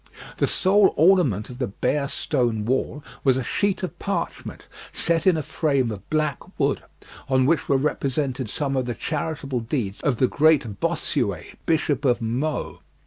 The sole ornament of the bare stone wall was a sheet of parchment, set in a frame of black wood, on which were represented some of the charitable deeds of the great Bossuet, Bishop of Meaux.